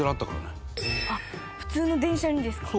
芦田：普通の電車にですか？